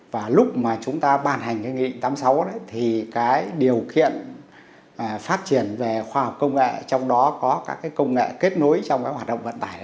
và lúc mà chúng ta bàn hành nghị định tám mươi sáu thì điều kiện phát triển về khoa học công nghệ trong đó có các công nghệ kết nối trong hoạt động vận tải